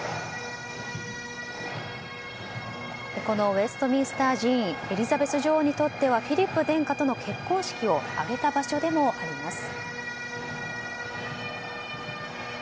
ウェストミンスター寺院はエリザベス女王にとってはフィリップ殿下との結婚式を挙げた場所でもあります。